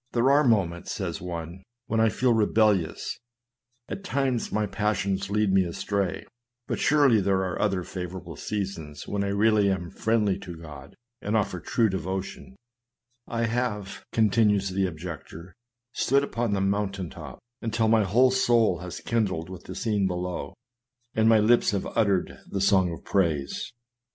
" There be moments," says one, " when I feel rebel lious ; at times my passions lead me astray ; but surely there are other favorable seasons when I really am friendly to God, and offer true devotion. I have (continues the objector,) stood upon the mountain top, until my whole soul has kindled with the scene below, and my lips have uttered the song of praise : THE CARNAL MIND ENMITY AGAINST GOD.